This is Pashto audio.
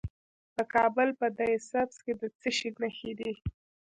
د کابل په ده سبز کې د څه شي نښې دي؟